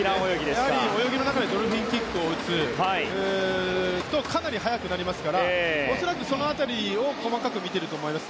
やはり泳ぎの中でドルフィンキックを打つとかなり速くなりますから恐らく、その辺りを細かく見ていると思います。